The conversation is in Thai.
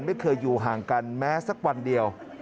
ไม่เคยอยู่ห่างกันแม้สักวันเดียว